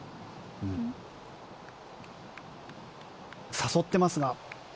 誘ってますが。